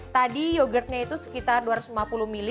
tadi yogurtnya itu sekitar dua ratus lima puluh ml